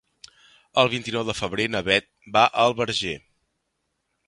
El vint-i-nou de febrer na Beth va al Verger.